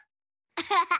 アハハ！